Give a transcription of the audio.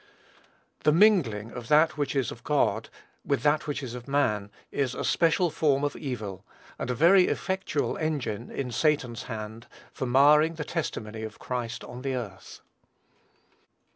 The mingling of that which is of God with that which is of man is a special form of evil, and a very effectual engine, in Satan's hand, for marring the testimony of Christ on the earth.